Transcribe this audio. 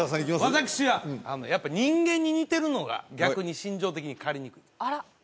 私はやっぱ人間に似てるのが逆に心情的に狩りにくいああ！